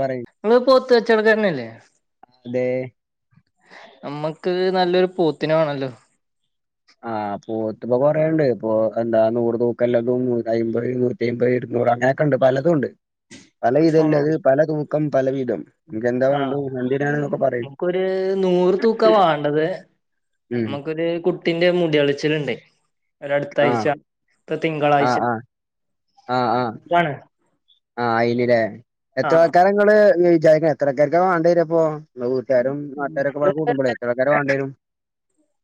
പറയും അ പോത്ത വച്ച കച്ചടക്കാരനല്ലേ അതെ നമ്മക്ക് നല്ലൊരു പോത്തിന് വേണല്ലോ ആഹ അപ്പോൊ ഇപ്പൊ കൊറേുണ്ട് ഇപ്പൊ എന്താ നൂറ് തൂക്കല്ലതുംഅമ്പത് നൂറ്റി അമ്പത് ഇരുന്നൂറ് അങ്ങനെയൊക്കെ ഉണ്ട് പലതും ഉണ്ട് പല ഇതല്ല അത് പല കം പലവിടം ആഹ നമുക്കൊരു നൂറ് തൂക്ക വേണ്ടത് ഉം നമുക്കൊരു കുട്ടിന്റെ മുടി ളിച്ചിലുണ്ട ആഹ ആഹ ആഹ ആഹ ആഹ ഇതാണ് ആ അയിനല്ലേ എത്ര ആഹ് ആൾക്കാരങ്ങള് വിചാ ഇത്രക്ക വേണ്ടേര അപ്പൊ വീട്ടുകാരും നാട്ടുകാരൊക്കെ ഇവിടെ കൂടു്പോള എഏത്രക്കാരെ വേണ്ട വരും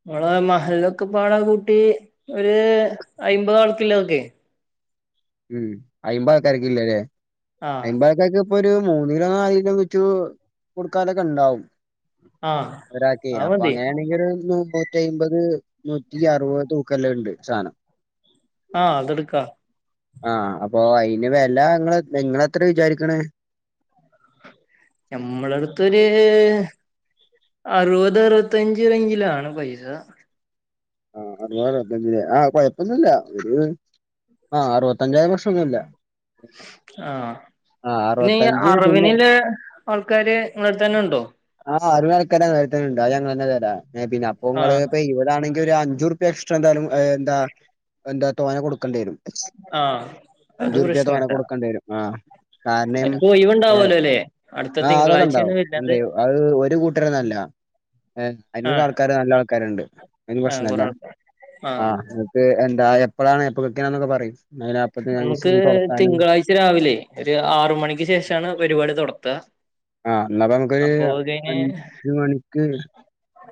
നിങ്ങളെ മഹല്ലൊക്കെ പാടെ കൂട്ടി ഒരു അയിമ്പത് ആൾക്ള്ളതോക്കെ ഉം അയിമ്പത്ക്കാരക്ക് ഇില്ലരെേ ആഹ് ഐമ്പൾക്കാർക് ഇപ്പൊ ഒരു മൂന്നിലോ നാലരോ വെച്ചു കൊടുക്കാലൊക്കെ ഉണ്ടാവും ആഹ് ഒരാക്കെ അത് അപ്പൊ മതി അങ്ങനെയാണെങ്കിൽ നോോ ടൈമ്പദ് നൂറ്റി അറുപദ് ക്കല്ലുണ്ട് സാനം ആഹ അതെടുക്കാ ആഹ അപ്പൊ അയിന് വില നിങ്ങ നിങ്ങെത്ര വിചാരിക്കണ നമ്മള അടുത്തൊരു അറുപത് അറുപത്തഞ്ചിലങ്കിലണ് പൈസ ആ അറുപത അറുപത്തഞ് ആഹ കൊഴപ്പൊന്നുമല്ല ഒരു ആഹ അറുപത്തഞ്ചായിരം വർഷംൊന്നുമല്ല ആഹ പിന്നെ അറുപത്തഞ്ച് പിന്നെ അറവിനിലെ ആൾക്കാര് ഇങ്ങളെടുത്താനെ ഉണ്ടോ ആ അറിണക്കാര വരു ഉണ്ടോ ഞങ്ങ തന്നെ തരാം ഏ പിന്ന അപ്പൊ നിങ്ങള് ആഹ് ഇപ്പ ഇുവതാണ ഒരു അഞ്ചൂറുപ്യ എക്സ്ട്രാ എന്താലും എന്താ എന്താ തോനെ കൊടുക്കണ്ടി വരും. ആ അത് അഞ്ചു റുപ്യ തോനെ പ്രശ്നില്ല, കൊടുക്കേണ്ടി വരും ആ കാരണം അനക്ക് ഏ, ഒയിവണ്ടാവലോല്ലെ അടുത്ത ആ അതൊക്കെ തിങ്കളാഴ്ചയാണ് ഉണ്ടാവും വരുന്നത്. ഉണ്ട് അത് ഒരു കൂട്ടരോന്ന്വല്ല ഏ ആഹ് അതിന്റുള്ളിലാള്ക്കാര് നല്ല ആൾക്കാരൊണ്ട് അതിന് ആഹ് കൊറേ പ്രശ്നല്ല ആൾക്കാര് ആഹ് ആ നക്ക് എന്താ എപ്പഴാണ് എപ്പ കുളിക്കണന്നൊക്കെ പറയും. നമുക്ക് തിങ്കളാഴ്ച രാവിലെ ഒരു ആറ് മണിക്ക് ശേഷാണ് പരിപാടി തൊടത്വ. ആ എന്നപ്പ നമുക്കൊരു അഞ്ച് മണിക്ക്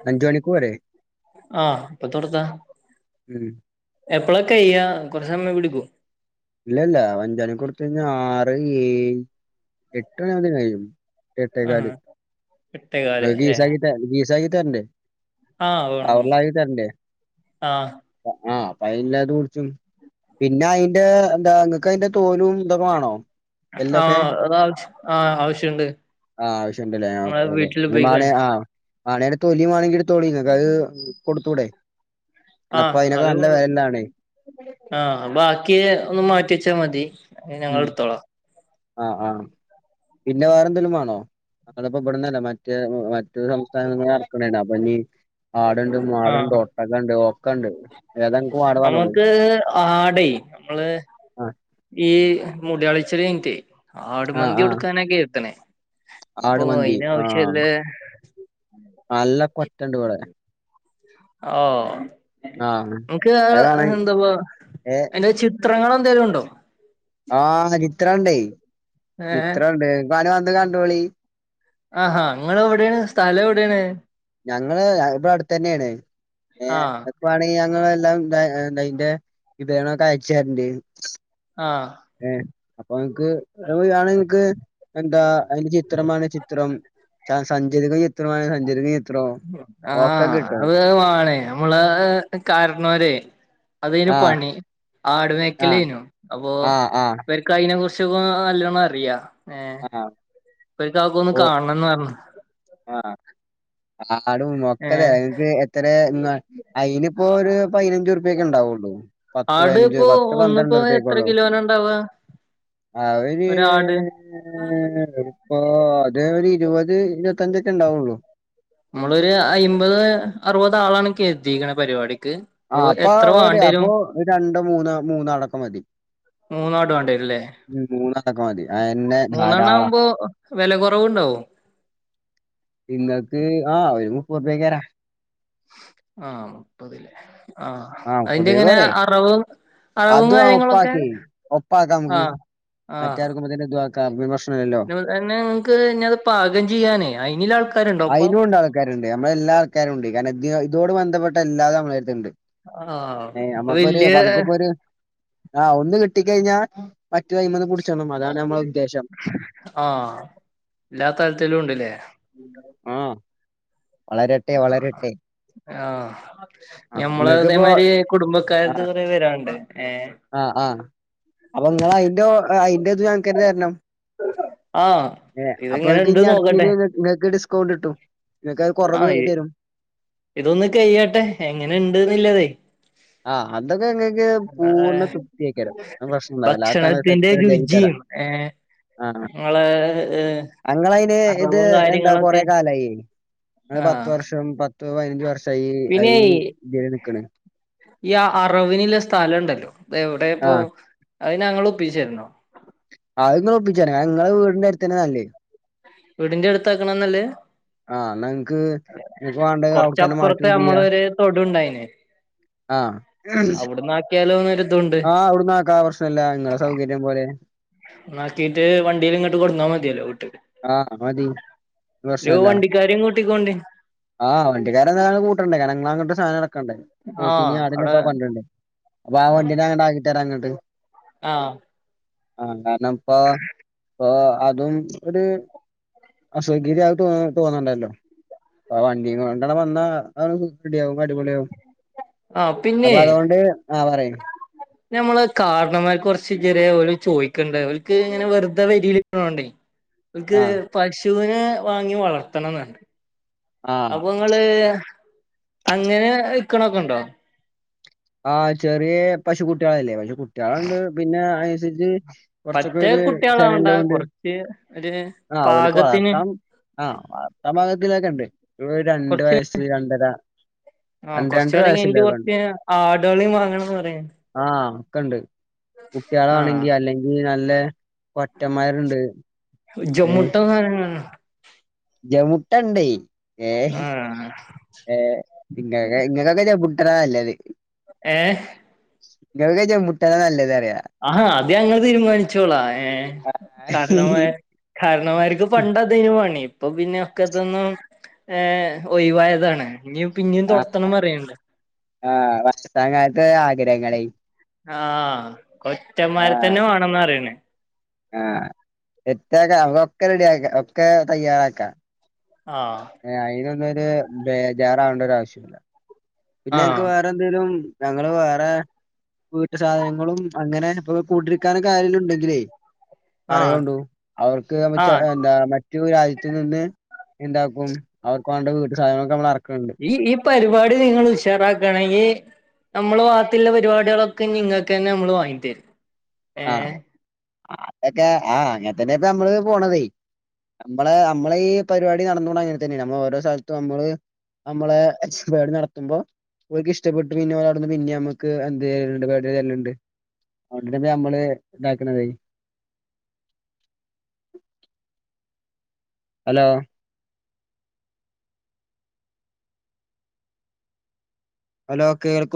അഞ്ചു മണിക്ക് വരാം. [unintelligible] ആ ഇപ്പത്തൊടുത്താ? ഉം എപ്പളൊക്കെയ്യാ കൊറെ സമയം പിടിക്വോ? ഇല്ലല്ല അഞ്ചണിക്കൊടുത്ത് കഴിഞ്ഞാ ആറ് ഏഴ് എട്ട് മണിയാവുമ്പത്തേക്ക് കഴിയും. എട്ടെകാല് ആഹ് എട്ടേകാല് അത് അല്ലേ ഗീസക്കീട്ടാ ഗീസകി തരണ്ടേ? ആഹ് വേണം വേണം ആവള്ളായി തരണ്ടേ ആഹ് ആ [unintelligible] കുളിച്ചും പിന്നെ അയിൻ എന്താ നിങ്ങക്ക് അതിന്റെ തോലും ഇതൊക്കെ വേണോ? ആ അതാവശ്യ ആ ആവശ്യുണ്ട് ആഹ് ആവശ്യണ്ടല്ലേ മ്മ വീട്ടില് പോയിക്ക. ആണെയിന്റെ തൊലി വേണെങ്കിലെടുത്തോളീ അതായത് ആ അത് നല്ല വെലണ്ടാണേ ആ ബാക്കിയ ഒന്ന് മാറ്റി വെച്ചാ മതി. അത് ഞങ്ങളെടുത്തോളാം ആ ആ പിന്നെ വേറെന്തേലും വേണോ? അങ്ങളിപ്പോ ഇവിടന്നല്ല മറ്റേ മറ്റൊള്ള സംസ്ഥാനങ്ങളീ ഇറക്കണേണ്‌ അപ്പൊ ഇനി ആട്ണ്ട് ആ മാട്ണ്ട് ഒട്ടകണ്ട് ഒക്കണ്ട് ഏതാ ഇങ്ങക്ക് വാണ്ടെ പറഞ്ഞോളി നമുക്ക് ആടേ മ്മള് ആഹ് ഈ മുടിയളിച്ചരിന് റ്റെ ആഹ് ആടുമന്തി ആഹ് കൊടുക്കാനൊക്കെ എത്തണേ അപ്പൊ ആട് മന്തി അയിന് ആഹ് ആവശ്യല്ല നല്ല കൊറ്റണ്ടിവിടെ. ഓ ആഹ് നമക്ക് അത് വേണേ എന്താപ്പ അയിനെവച്ചു ചിത്രങ്ങളെന്തേലും ഒണ്ടോ? ആ ചിത് ത്രോണ്ടേ. ഏഹ് ചിത്രോണ്ട് കാണാൻ. ത് കണ്ടോളീ. ആ ആ നിങ്ങളെവിടെയാണ് സ്ഥലം എവിടെയാണ്? ഞങ്ങള് ഇവിടെ അടുത്ത് തന്നെയാണ് ഏ ആഹ് എതൊക്കെ വേണെങ്കിൽ ഞങ്ങ എല്ലാം എന്ത അതിന്റെ വിപനമൊക്കെ അയച്ചതരണ്ടേ ആഹ് അപ്പൊ എൻക്ക് ആണ്ങ്ങക്ക് എന്താ അതിന്റെ ചിത്രമാണേ ചിത്രം സാ സഞ്ചതിക ചിത്രമാണ് സഞ്ചതിക ചി ആഹ് അത് വാണേയ് നമ്മളെ കാര്ണോരെയ് അതേയ്ന് ആഹ് പണി ആടു ആഹ് മേക്കലേനു അപ്പൊ ആഹ് ആഹ് ഇവർക്ക് അയിനെ കുർച്ച് [unintelligible] നല്ലോണം അറിയാ ഏ ആഹ് ഇപ്പഴ്ത്താക്കൊന്ന് ഓ കാണണംന്ന് പർഞ്ഞ് ആഹ് ആടുംമൊക്കതേ അത്‌ എത്തറേന്ന് അയിനിപ്പോ [unintelligible] പയ്നഞ്ചുറുപ്യോക്കെണ്ടാവുള്ളൂ പത്ത് ആട് പതിനഞ്ച് ഇപ്പോ പത്ത് ഒന്നിപ്പോ എത്ര പന്ത്രണ്ടുറർപ്യോക്കൊള്ളു കിലോന ഇണ്ടാവാ അവ്ഞ്ഞീ ഒരാട് പ്പോ അത് ഒരു ഇരുപത് ഇരുപത്തഞ്ചൊക്കെണ്ടാവുള്ളൂ നമ്മളൊരു അയിമ്പത് അറുപത് ആളാണ്ക്കെ എത്തിക്കണ പരിപാടി ആ അപ്പൊ ഒര് അപ്പൊ രണ്ട് മൂന്ന് മൂന്നാടക്ക മതി മൂന്നാട് വാണ്ടിരുല്ലേ മൂന്ന- ഇക്കെ മതി അത് തന്നെ ധാരാളാ മൂന്നെണ്ണാവുമ്പോ വെല കൊറവുണ്ടാവും ഇന്നക്ക് ആഹ ഒരു- പുറത്തേക്ക് വരാം ആഹ് ആഹ് ആ അതിന്റെ മുപ്പതുർപ്യക്ക് എങ്ങനെ പോരെ? അറവും അറവും അതും ആ കാര്യങ്ങളൊക്കെ ഒപ്പാക്കി. ഒപ്പാക്കാം നമുക്ക്. ആഹ് മറ്റേ ആഹ് [unintelligible] നിന്നെ നിങ്ങക്ക് ഞത് പാചകം ചെയ്യാനേ അയിനിൽ ആൾക്കാരുണ്ടോ അപ്പ- അയിനുണ്ട് ആൾക്കാരുണ്ട്. ഇഷ്‌പ്പെട്ട എല്ലാതും നമ്മടെ അടുത്ത് ഇണ്ട് ആഹ് വല്യ- ആഹ് ഒന്ന് കിട്ടി കഴിഞ്ഞാ മറ്റു കൈന്ന് കൂടി- ആ എല്ലാത്തരത്തിലും ഉണ്ടില്ലേ? ആഹ് ആഹ് ആഹ് വളരട്ടെ വളരട്ടെ ആഹ് ആ ഞമ്മള് നിങ്ങക്കിപ്പോ അതേമാതിരി കുടുംബക്കാരത് ആഹ് കൊറേ വരാണ്ട് ഏഹ് ആഹ് ആഹ് അപ്പൊ നിങ്ങ അയിന്റെ അയിന്റെ ഇത് ഞാക്ക് തന്നെ തരണം ആഹ് ഏ അപ്പൊ ഇതെങ്ങനെ ഇണ്ട് നിങ്ങക്ക് അടുത്ത നോക്കട്ടെ നിക്ക് നിങ്ങക്ക് ഡിസ് - ഡിസ്കൗണ്ട് ഇട്ടു. ആഹ് ഇതൊന്ന് കഴിയട്ടെ എങ്ങനെയുണ്ട് എന്നുള്ളത്. ആഹ് അതൊക്കെ അങ്ങക്ക് പൂർണ്ണ തൃപ്തിയായ് ക്കാരം ടും പ്രശ്നണ്ടാവില്ല ആ ക്കാ ഞാങ്ങ ഭക്ഷണത്തിന്റെ ക്ക് രുചിയും ഏഹ് നിങ്ങളെ അങ്ങ അതിന് ഇത് അറവും എന്താ കൊറെ കാര്യങ്ങളൊക്കെ കാലായി ഞങ്ങൾ ആഹ് പത്ത് വർഷം പത്ത് പതിനഞ്ച് വർഷം അയി പിന്നെ അ രെ നിക്കണ ഈ അറവിനിള്ള സ്ഥലം ഉണ്ടല്ലോ എവിടെപ്പോ ആഹ് അത് ഞങ്ങൾ ഒപ്പിച്ചിത രണോ ആങ്ങള് ഒപ്പിച്ചരണം നിങ്ങള വീടിന്റെ അടുത്തന്നെ നല്ലേ വിടിന്റെ അടുത്ത ആക്കണനല്ലത് ആഹ എന്ന നിങ്ങക്ക് നിങ്ങക്ക് വണ്ടങ്കിൽ അവിടക്ക് തന്നെ മാറ്റം ചെയ്യാ ടെൻ ആഹ് അവിട് ന്ന് ആക്കിയാലോന്ന് ആഹ് അവിടന്ന് ആക്കാ ആ പ്രശ്നല്ല നിങ്ങളെ സൗകര്യം പോലെ നാക്കീട്ട് വണ്ടിൽ ഇങ്ങോട്ട് കൊടുന്നാ മതിയല്ലോ ആഹ് മതി വീട്ടക്ക് പ്രശ്നല്ല. വണ്ടിക്കാരുംക്കു ട്ടിക്കോണ്ടിൻ സാധനങ്ങളൊക്കെ ക്കെ ണ്ട് പോത്തി നേ ആടിനൊക്കെണ്ടിരി ണ്ട് അപ്പൊ ആ ആഹ് വണ്ട ആകിതാരാ അങ്ങോട്ട് ആഹ് ന്നാ ന്നപ്പോ പ്പോ അതും ഒരു അസ്വകര്യോ തോന്നണ്ടല്ലോ വണ്ടിയ കൊണ്ട വന്നാ റെഡിയകും അടിപൊളിയ ആവും ആഹ പിന്നെ ആഹ പറയൂ നമ്മള് കാരണന്മാർ കുറച്ച് ചെറിയ പോല ചോദിക്കണ്ട് അവർക്ക് ഇങ്ങനെ വെറുതെ വരിക്ക് ണോ ണ്ടേ ക്ക് ആഹ് പശ് ശൂനെ വാങ്ങി വളർത്തണം എന്നുണ്ട് ആഹ് അപ്പൊ നിങ്ങള് അങ്ങനെ വിക്ക് ണൊക്കെ ഉണ്ടോ ആ ചെറിയ പശു കുട്ടികളല്ലേ പശു കുട്ടികളുണ്ട് പിന്നെ അയിന് അനുസരിച്ച് പറ്റേ കുറച്ചൊക്കൊരു കുട്ടികളാവണ്ട ചനല്ലൊണ്ട് കൊറച്ച് ഒരു ആഹ് ഓല്ക്ക് പാകത്തിന് വളർത്താൻ ആഹ് വളർത്താൻ ഭാഗത്തില്ലൊക്കെണ്ട് ഒരു രണ്ട് കൊറച്ച് വയസ്സ് രണ്ടര രണ്ട് രണ്ടര വയസ്സില്ല ഒക്കെ ഇണ്ട് [unintelligible] വാങ്ങണന്ന് പറയും കണ്ട് കുട്ടികളാണെങ്കി അല്ലെങ്കിൽ നല്ല കൊറ്റന്മാരുണ്ട് [unintelligible] ജമുട്ടണ്ടേ ഏഹ് ആഹ് ഏഹ് ഇങ്ങ ഇങ്ങക്കൊക്കെ ഞാൻ. അത് നല്ലത് ഏഹ് ഇങ്ങള് [unintelligible] നല്ലത് പറയാ ആഹാ അത് ഞങ്ങള് തീരുമാനിച്ചോളാം ഏ കാരണവ കാരണോമാർക്ക് പണ്ട് അതന്നെ പണി. അപ്പൊ പിന്നെ ഒക്കെ ഇതിന്നു ഏഹ് ഒഴിവായതാണ്. ഇനി പിന്നേം ആഹ് തൊടത്തണം പറയണ്ട് ആഹ് [unintelligible] [unintelligible] ആഗ്രഹങ്ങളെ. ആ കൊറ്റന്മാരെ തന്നെ വേണംന്ന പറയണേ. ആ സെറ്റാക്കാം അതൊക്കെ റെഡിയ ആ ഒക്കെ തയ്യറാക്കാം. ആഹ് ഏ അയിനൊന്നു. [unintelligible] ബേജാറാവേണ്ട ഒരു ആവശ്യ പിന്നെ ആഹ് നിക്ക് വേറെന്തേങ്കിലും. ഞങ്ങള് വേറെ വീട്ട് സാധനങ്ങളും അങ്ങനെ ഇപ്പൊ കൂട്ടിരിക്കാനും ആരെങ്കിലുമുണ്ടെങ്കിലേ ആഹ് പറയൂണ്ടു അവർക്ക് ആഹ് എന്താ മറ്റു രാജ്യ [unintelligible] എന്താക്കും അവർക്ക് വേണ്ട വീട്ട് സാധനങ്ങളെക്കെ നമ്മളെറ ഈ ഇ പരിപാടി നിങ്ങൾ ഉഷാറാക്കാണെങ്കിൽ നമ്മള് ഭാഗത്ത്ള്ള പരിപാടികളൊക്കെ നിങ്ങൾക്ക് തന്നെ നമ്മൾ വാങ്ങി തരും. ആഹ് ഏഹ് അ ഒക്കെ ആഹ് അങ്ങനെ തന്നെ ഇപ്പ നമ്മള് പോണതേ നമ്മള് നമ്മളെ ഈ പരിപാടി നടന്നൊണ്ട് അങ്ങനെ തന്നെ നമ്മള് ഓരോ സ്ഥലത്തും നമ്മള് നമ്മളെ പരിപാടി നടത്തുമ്പോ അവർക്ക് ഇഷ്ടപ്പെട്ട് പിന്നെ അവര് അവിടെന്നു പിന്നെ നമ്മുക്ക് എന്ത് ചെയണ് ണ്ട് പരിപാടി തരണുണ്ട് അത് കൊണ്ട് [unintelligible] നമ്മള് ഇണ്ടാക്കണതേ ഹലോ. ഹലോ കേൾക്കു